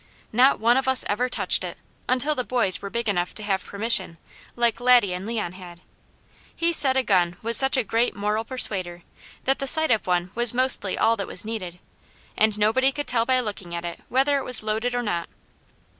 Not one of us ever touched it, until the boys were big enough to have permission, like Laddie and Leon had. He said a gun was such a great "moral persuader," that the sight of one was mostly all that was needed, and nobody could tell by looking at it whether it was loaded or not.